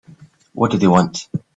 What do they want?